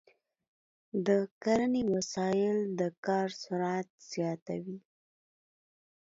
د کرنې وسایل د کار سرعت زیاتوي.